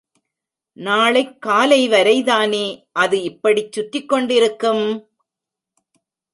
நாளைக் காலைவரைதானே அது இப்படிச் சுற்றிக்கொண்டிருக்கும்?